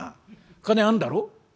金あんだろ？」。